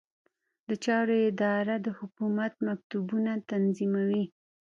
د چارو اداره د حکومت مکتوبونه تنظیموي